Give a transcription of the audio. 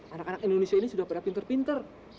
anak anak indonesia ini sudah pada pinter pinter